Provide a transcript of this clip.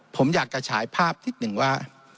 ผมอยากจะฉายภาพนิดหนึ่งว่า